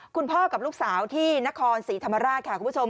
คุณพ่อกับลูกสาวที่นครศรีธรรมราชค่ะคุณผู้ชม